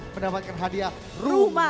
pendapatkan hadiah rumah